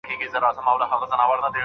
له روسیې سره سوداګري بنده شوې وه.